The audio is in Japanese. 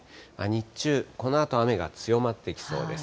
日中、このあと雨が強まってきそうです。